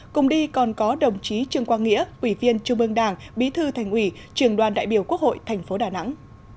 cùng đi còn có đồng chí trương quang nghĩa ủy viên trung ương đảng bí thư thành ủy trường đoàn đại biểu quốc hội thành phố đà nẵng